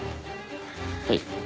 はい。